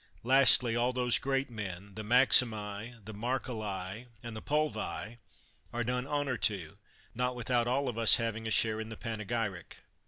Lastly, all those great men, the Maximi, the Mar celli, and the Pulvii, are done honor to, not without all of us having also a share in the panegyric.